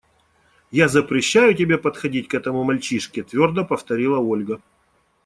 Я запрещаю тебе подходить к этому мальчишке, – твердо повторила Ольга.